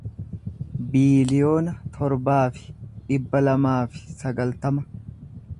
biiliyoona torbaa fi dhibba lamaa fi sagaltama